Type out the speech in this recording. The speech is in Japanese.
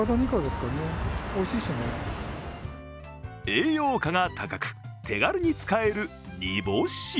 栄養価が高く、手軽に使える煮干し。